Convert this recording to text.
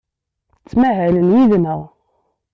Ttmahalen yid-neɣ.